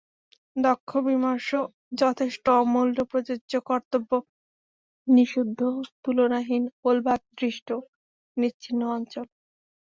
দক্ষ, বিমর্ষ, যথেষ্ট, অমূল্য, প্রযোজ্য, কর্তব্য, নিষিদ্ধ, তুলনাহীন, ওলবাঘ, দৃষ্ট, নিশ্চিহ্ন, অঞ্চল।